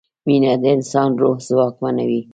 مینه د انسان روح ځواکمنوي.